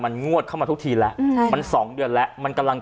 งวดเข้ามาทุกทีแล้วมัน๒เดือนแล้วมันกำลัง